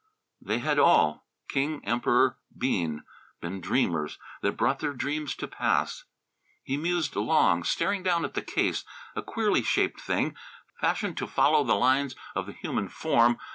They had all King, Emperor, Bean been dreamers that brought their dreams to pass. He mused long, staring down at the case; a queerly shaped thing, fashioned to follow the lines of the human form.